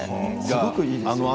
すごくいいですね。